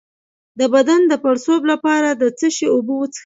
د بدن د پړسوب لپاره د څه شي اوبه وڅښم؟